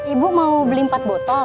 ibu mau beli empat botol